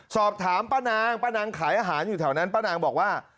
สอบถามป้านางป้านางขายอาหารอยู่แถวนั้นป้านางบอกว่า